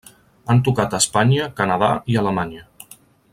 Han tocat Espanya, Canadà i Alemanya.